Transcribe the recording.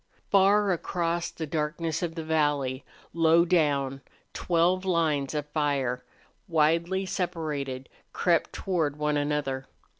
Far across the darkness of the valley, low down, twelve lines of fire, widely separated, crept toward one another.